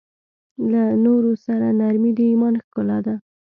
له نورو سره نرمي د ایمان ښکلا ده.